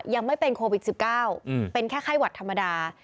ยังไม่เป็นโควิด๑๙เป็นแค่ไข้หวัดธรรมดา